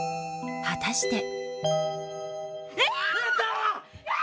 果たして。